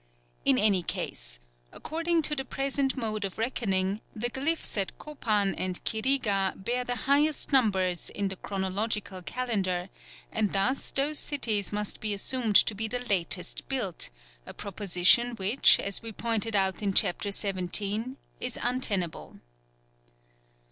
In any case, according to the present mode of reckoning, the glyphs at Copan and Quirigua bear the highest numbers in the chronological calendar, and thus those cities must be assumed to be the latest built, a proposition which, as we pointed out in Chapter XVII., is untenable.